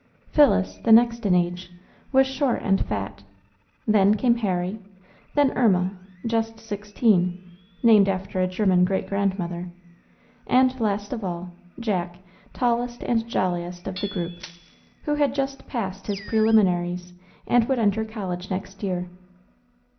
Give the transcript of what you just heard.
Phyllis, the next in age, was short and fat; then came Harry, then Erma, just sixteen (named after a German great grandmother), and, last of all, Jack, tallest and jolliest of the group, who had just "passed his preliminaries," and would enter college next year.